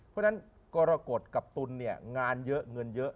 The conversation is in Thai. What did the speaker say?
เพราะฉะนั้นกรกฎกับตุลเนี่ยงานเยอะเงินเยอะ